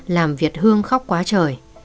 làm việt hương khóc quá trời